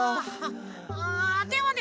あでもね